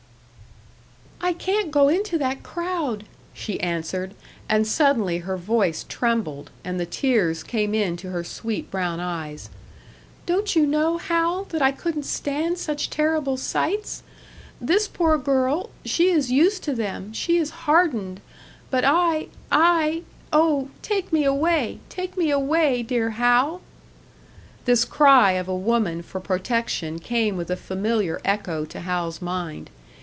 "I can't go into that crowd," she answered; and suddenly her voice trembled, and the tears came into her sweet brown eyes. "Don't you know, Hal, that I couldn't stand such terrible sights? This poor girl she is used to them she is hardened! But I I oh, take me away, take me away, dear Hal!" This cry of a woman for protection came with a familiar echo to Hal's mind.